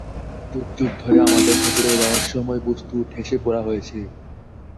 যুগ যুগ ধরে আমাদের ভেতরে রহস্যময় বস্তু ঠেসে পোরা হয়েছে।